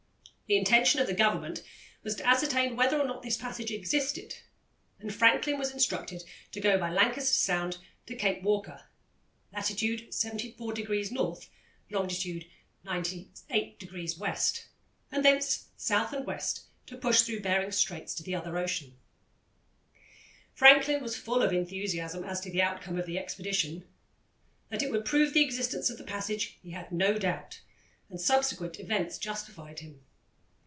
The intention of the Government was to ascertain whether or not this passage existed, and Franklin was instructed to go by Lancaster Sound to Cape Walker (lat. 74° N.; long. 98° W.) and thence south and west to push through Behring's Straits to the other ocean. Franklin was full of enthusiasm as to the outcome of the expedition. That it would prove the existence of the passage he had no doubt, and subsequent events justified him.